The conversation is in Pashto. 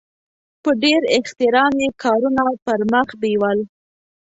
په ډېر احترام یې کارونه پرمخ بیول.